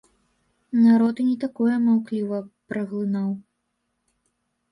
Народ і не такое маўкліва праглынаў.